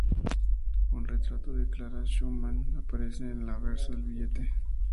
Un retrato de Clara Schumann aparece en el anverso del billete.